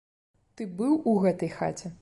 Ты быў у гэтай хаце?